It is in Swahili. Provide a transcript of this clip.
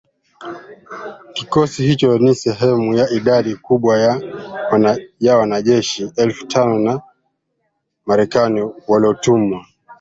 Kikosi hicho ni sehemu ya idadi kubwa ya wanajeshi elfu tano wa Marekani waliotumwa